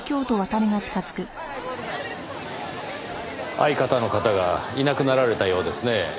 相方の方がいなくなられたようですね。